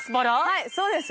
はいそうです。